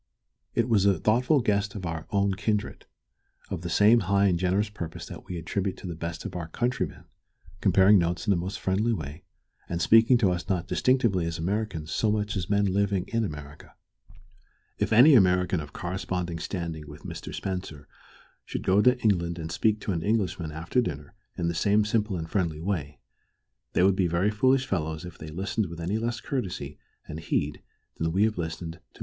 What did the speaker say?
It was a thoughtful guest of our own kindred, of the same high and generous purpose that we attribute to the best of our countrymen, comparing notes in the most friendly way, and speaking to us not distinctively as Americans so much as men living in America. If any American of corresponding standing with Mr. Spencer should go to England and speak to Englishmen after dinner in the same simple and friendly way, they would be very foolish fellows if they listened with any less courtesy and heed than we have listened to Mr. Spencer.